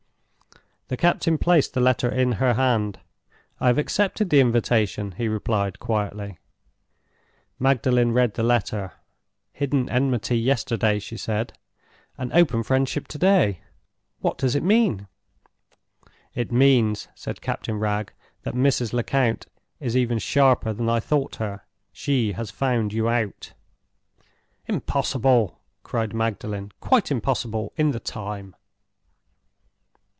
The captain placed the letter in her hand. "I have accepted the invitation," he replied, quietly. Magdalen read the letter. "Hidden enmity yesterday," she said, "and open friendship to day. What does it mean?" "It means," said Captain Wragge, "that Mrs. Lecount is even sharper than I thought her. She has found you out." "Impossible," cried Magdalen. "Quite impossible in the time."